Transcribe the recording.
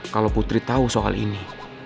kalau putri tahu soal ini